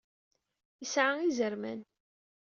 Isɛa izerman.